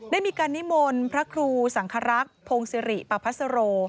ได้มีการนิมนต์พระครูสังครักษ์พงศิริปพัสโร